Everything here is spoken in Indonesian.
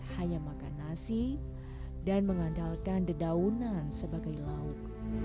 hanya makan nasi dan mengandalkan dedaunan sebagai lauk